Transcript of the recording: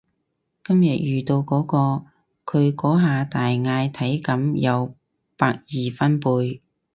我今日遇到嗰個，佢嗰下大嗌體感有百二分貝